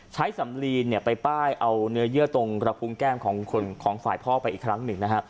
ใช้สำลีณไปป้ายเอาเนื้อเยื่อตรงระภูมิแก้มของฝีพ่ออีกครั้งหนึ่ง